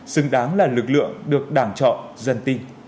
xứng đáng là lực lượng được đảng chọn dân tin